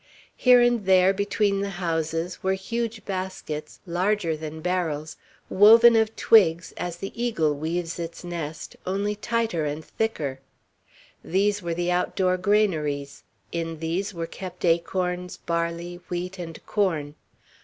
Here and there, between the houses, were huge baskets, larger than barrels, woven of twigs, as the eagle weaves its nest, only tighter and thicker. These were the outdoor granaries; in these were kept acorns, barley, wheat, and corn.